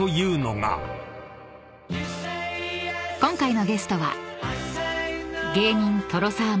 ［今回のゲストは］